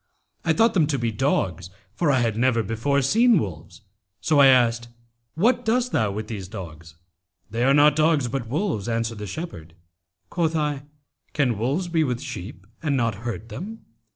I thought them to be dogs, for I had never before seen wolves; so I asked, 'What dost thou with these dogs?' 'They are not dogs, but wolves,' answered the shepherd. Quoth I, 'Can wolves be with sheep and not hurt them?'